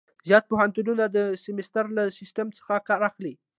زیات پوهنتونونه د سمستر له سیسټم څخه کار اخلي.